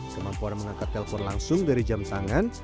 kemampuan mengangkat telpon langsung dari jam tangan